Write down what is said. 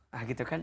nah gitu kan